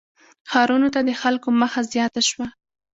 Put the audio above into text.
• ښارونو ته د خلکو مخه زیاته شوه.